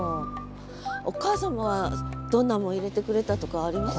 お母様はどんなもん入れてくれたとかあります？